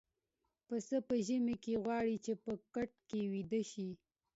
پسه په ژمي کې غواړي چې په کټ کې ويده شي.